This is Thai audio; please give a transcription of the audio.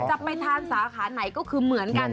จะไปทานสาขาไหนก็คือเหมือนกัน